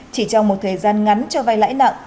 chỉ trong một thời gian ngắn cho vay lãi nặng